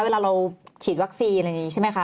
เวลาเราฉีดวัคซีนอะไรอย่างนี้ใช่ไหมคะ